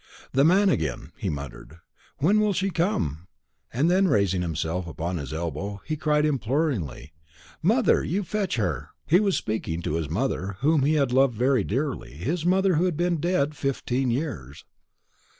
"The man again!" he muttered. "When will she come?" And then raising himself upon his elbow, he cried imploringly, "Mother, you fetch her!" He was speaking to his mother, whom he had loved very dearly his mother who had been dead fifteen years.